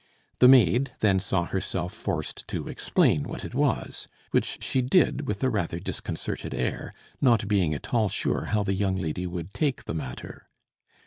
The maid then saw herself forced to explain what it was, which she did with a rather disconcerted air, not being at all sure how the young lady would take the matter.